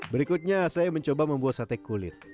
berikutnya saya mencoba membuat sate kulit